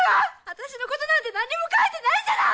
私のことなんて何にも書いてないじゃない！